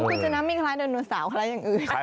โอ๊ยคุณชนะไม่คล้ายโดโนเสาร์แบบอื่น